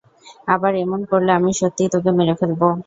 আবার এমন করলে, আমি সত্যিই তোকে মেরে ফেলবো।